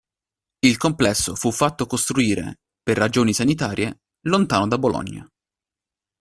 Il complesso fu fatto costruire, per ragioni sanitarie, lontano da Bologna.